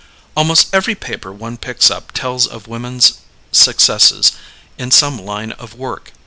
Almost every paper one picks up tells of women's successes in some line of work.